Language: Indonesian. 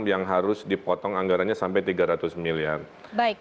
yang harus dipotong anggarannya sampai tiga ratus miliar